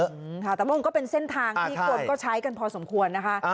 ค่ะแต่คุณผู้ชีชำนาญก็เป็นเส้นทางที่คนก็ใช้กันพอสมควรนะคะ